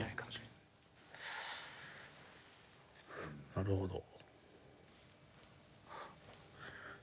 なるほど。